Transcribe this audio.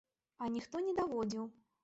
А ніхто не даводзіў.